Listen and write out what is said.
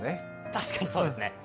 確かにそうですね。